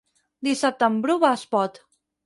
Dissabte en Bru va a Espot.